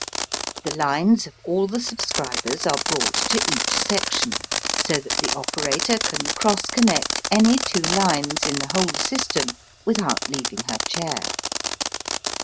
The lines of all the subscribers are brought to each section, so that the operator can cross connect any two lines in the whole system without leaving her chair.